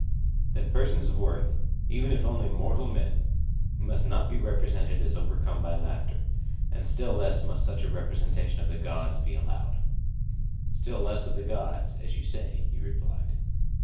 Then persons of worth, even if only mortal men, must not be represented as overcome by laughter, and still less must such a representation of the gods be allowed. Still less of the gods, as you say, he replied.